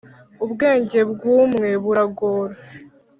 Ubwenge bw’umwe buragora